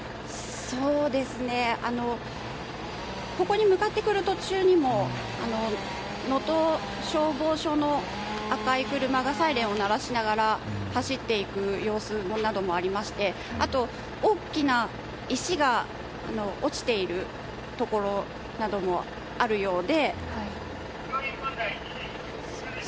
ここに向かってくる途中にも能登消防署の赤い車がサイレンを鳴らしながら走っていく様子もありましてあと、大きな石が落ちているところなどもあるようで。